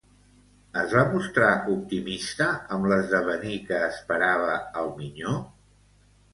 Es va mostrar optimista amb l'esdevenir que esperava al minyó?